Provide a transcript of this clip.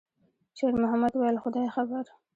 شېرمحمد وویل: «خدای خبر.»